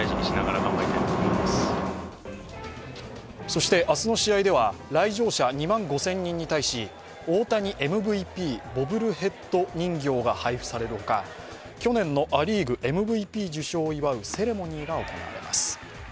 そして明日の試合では来場者２万５０００人に対し大谷ＭＶＰボブルヘッド人形が配布される他去年のア・リーグＭＶＰを祝うセレモニーが行われます。